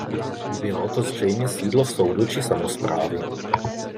Bylo to zřejmě sídlo soudu či samosprávy.